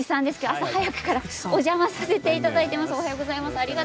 朝早くからお邪魔させていただいています。